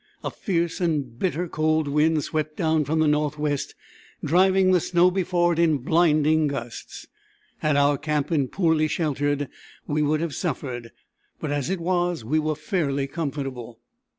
A fierce and bitter cold wind swept down from the northwest, driving the snow before it in blinding gusts. Had our camp been poorly sheltered we would have suffered, but at it was we were fairly comfortable.